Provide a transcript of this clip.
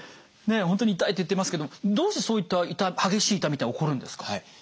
ねえ本当に痛いって言ってますけどどうしてそういった激しい痛みって起こるんですか。